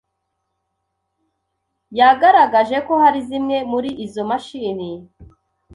ryagaragaje ko hari zimwe muri izo mashini